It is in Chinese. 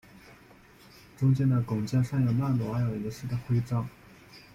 中间的拱肩上有曼努埃尔一世的徽章。